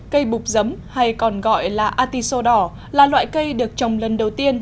cây bục giấm hay còn gọi là artisodor là loại cây được trồng lần đầu tiên